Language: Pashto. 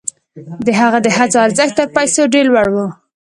د هغه د هڅو ارزښت تر پیسو ډېر لوړ و.